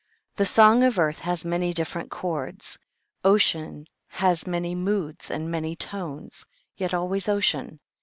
The song of earth has many different chords; Ocean has many moods and many tones Yet always ocean.